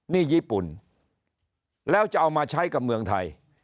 นี่ญี่ปุ่นแล้วจะเอามาใช้กับเมืองไทย